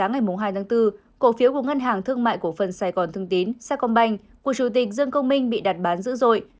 ngày bốn hai bốn cổ phiếu của ngân hàng thương mại của phần sài gòn thương tín sa công banh của chủ tịch dương công minh bị đạt bán dữ dội